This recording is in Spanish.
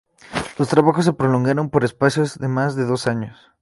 Los trabajos se prolongaron por espacio de más de dos años.